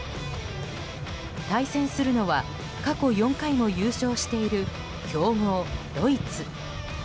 対戦するのは、過去４回も優勝している強豪ドイツ。